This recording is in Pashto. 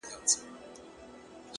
• په دربار کي مي تر تا نسته ښاغلی,